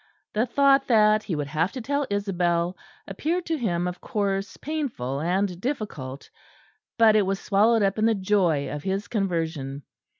The thought that he would have to tell Isabel appeared to him of course painful and difficult; but it was swallowed up in the joy of his conversion.